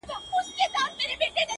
پخوانیو خلکو سخت ژوند درلود